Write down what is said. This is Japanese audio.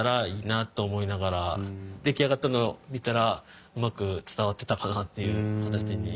出来上がったのを見たらうまく伝わってたかなっていう形に。